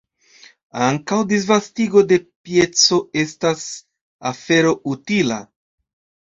Ankaŭ disvastigo de pieco estas afero utila.